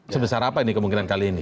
sebesar apa ini kemungkinan kali ini